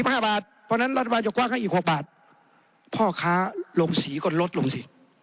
เพราะฉะนั้นรัฐบาลจะกว้างให้อีก๖บาทพ่อค้าลงสีก็ลดลงสิ